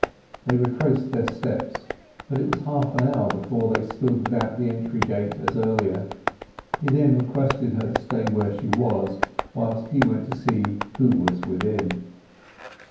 They retraced their steps, but it was half an hour before they stood without the entrance gate as earlier. He then requested her to stay where she was, whilst he went to see who was within.